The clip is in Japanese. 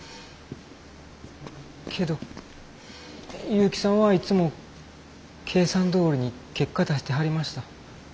けど結城さんはいっつも計算どおりに結果出してはりました。